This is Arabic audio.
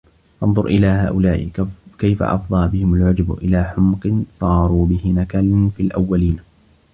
فَانْظُرْ إلَى هَؤُلَاءِ كَيْفَ أَفْضَيْ بِهِمْ الْعُجْبُ إلَى حُمْقٍ صَارُوا بِهِ نَكَالًا فِي الْأَوَّلِينَ